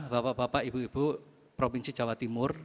bapak bapak ibu ibu provinsi jawa timur